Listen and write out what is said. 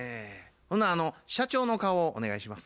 ほな社長の顔をお願いします。